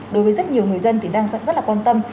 đối với rất nhiều người dân thì đang rất là quan tâm